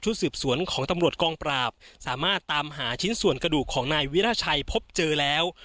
สืบสวนของตำรวจกองปราบสามารถตามหาชิ้นส่วนกระดูกของนายวิราชัยพบเจอแล้ว